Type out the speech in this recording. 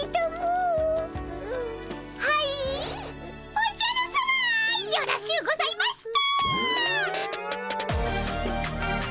おじゃるさまよろしゅうございました！